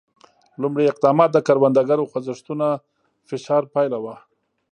لومړي اقدامات د کروندګرو خوځښتونو فشار پایله وه.